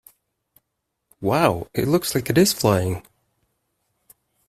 Wow! It looks like it is flying!